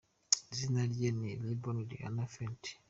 Izina rye ni Robny Rihanna Fenty.